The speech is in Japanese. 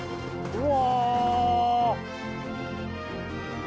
うわ！